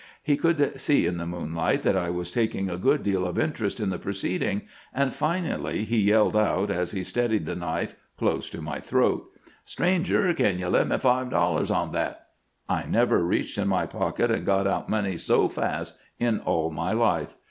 He could see in the moonhght that I was taking a good deal of interest in the proceeding, and finally he yelled out, as he steadied the knife close to my throat :' Stranger, kin you lend me five dollars on that 1 ' I never reached in my pocket and got out money so fast in all my life.